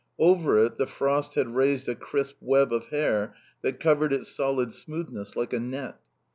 Over it the frost had raised a crisp web of hair that covered its solid smoothness like a net.